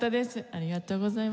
ありがとうございます。